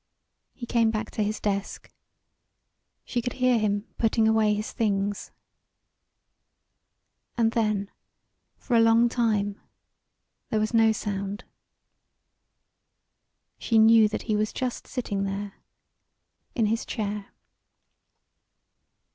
He came back to his desk. She could hear him putting away his things. And then for a long time there was no sound. She knew that he was just sitting there in his chair.